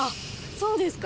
そうですか？